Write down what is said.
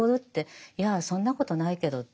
いやそんなことないけどって。